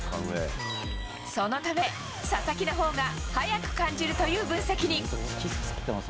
そのため、佐々木のほうが速く感じるという分析に。